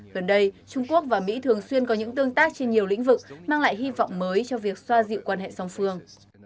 gần đây trung quốc và mỹ thường xuyên có những tương tác trên nhiều lĩnh vực mang lại hy vọng mới cho việc xoa dịu quan hệ song phương